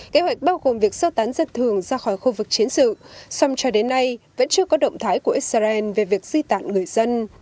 kế hoạch bao gồm việc sơ tán dân thường ra khỏi khu vực chiến sự xong cho đến nay vẫn chưa có động thái của israel về việc di tản người dân